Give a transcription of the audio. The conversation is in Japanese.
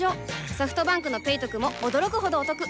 ソフトバンクの「ペイトク」も驚くほどおトク